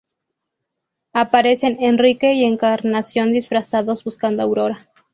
Aparecen Enrique y Encarnación disfrazados, buscando a Aurora.